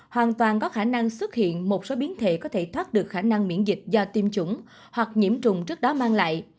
hoàn toàn có khả năng xuất hiện một số biến thể có thể thoát được khả năng miễn dịch do tiêm chủng hoặc nhiễm trùng trước đó mang lại